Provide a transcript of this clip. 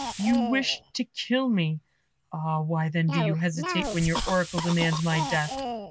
You wish to kill me. Ah, why, then, do you hesitate, when your Oracle demands my death?